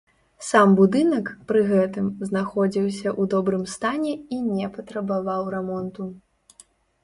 Сам будынак пры гэтым знаходзіўся ў добрым стане і не патрабаваў рамонту.